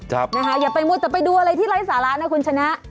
อย่าไปมัวแต่ไปดูอะไรที่ไร้สาระนะคุณชนะ